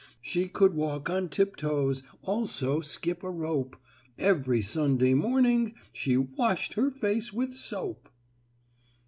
She could walk on tiptoes, Also skip a rope, Every Sunday morning she Washed her face with soap."